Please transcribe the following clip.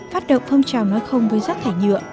phát động phong trào nói không với rác thải nhựa